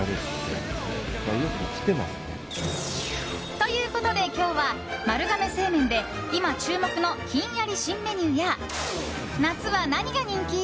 ということで今日は丸亀製麺で今、注目のひんやり新メニューや夏は何が人気？